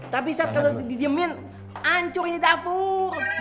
tapi sat kalo didiemin ancur ini dapur